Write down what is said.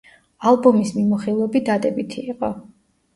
ალბომის მიმოხილვები დადებითი იყო.